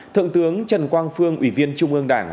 thượng tướng trần quang phương ủy viên trung ương đảng